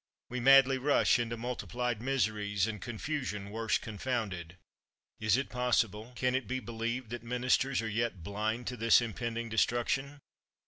We madly rush into multiplied miseries, and ''confusion worse confounded." 223 THE WORLD'S FAMOUS ORATIONS Is it possible, can it be believed, that minis ters are yet blind to this impending destruction